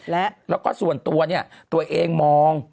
แล้วก็ส่วนตัวเนี่ยตัวเองมอง